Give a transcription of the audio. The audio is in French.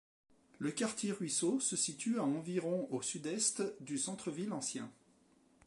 Le quartier Ruisseau se situe à environ au sud-est du centre-ville ancien.